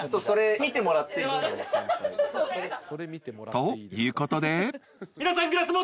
［ということで］